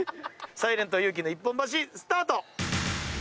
サイレント勇気の一本橋スタート！